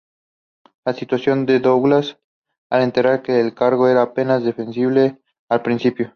La situación de Douglas al entrar en el cargo, era apenas defendible al principio.